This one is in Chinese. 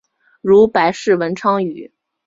如白氏文昌鱼。